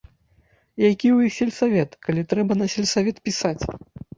І які ў іх сельсавет, калі трэба на сельсавет пісаць.